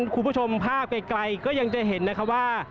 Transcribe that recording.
คุณผู้ชมภาพไกลก็ยังจะเห็นนะคะว่า